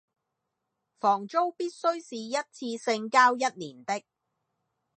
房租必須是一次性交一年的